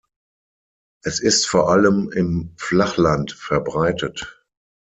Es ist vor allem im Flachland verbreitet.